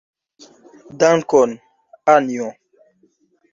Dankon, Anjo.